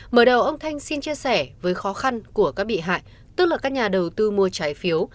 mở đầu ông thanh xin chia sẻ với khó khăn của các bị hại tức là các nhà đầu tư mua trái phiếu